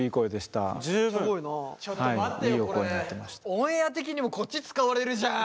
オンエア的にもこっち使われるじゃん！